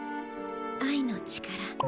愛の力。